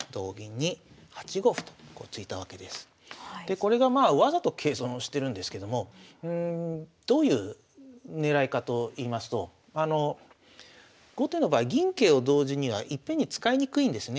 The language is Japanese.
でこれがまあわざと桂損をしてるんですけどもどういう狙いかといいますと後手の場合銀桂を同時にはいっぺんに使いにくいんですね。